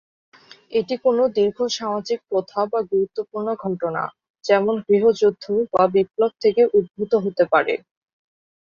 এটি কোন দীর্ঘ সামাজিক প্রথা বা গুরুত্বপূর্ণ ঘটনা, যেমন গৃহযুদ্ধ বা বিপ্লব থেকে উদ্ভূত হতে পারে।